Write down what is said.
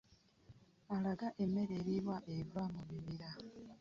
Alaga emmere eriibwa eva mu bibira.